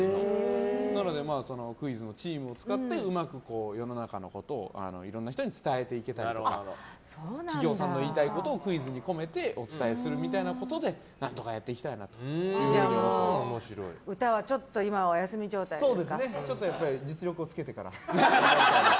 なので、クイズのチームを使ってうまく世の中のことをいろんな人に伝えていけたりとか企業さんの言いたいことをクイズに込めてお伝えするということで何とかやっていきたいな歌はちょっと実力をつけてから。